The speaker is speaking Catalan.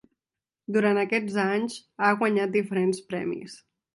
Durant aquests anys, ha guanyat diferents premis.